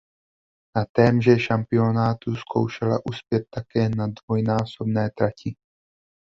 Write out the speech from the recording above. Na témže šampionátu zkoušela uspět také na dvojnásobné trati.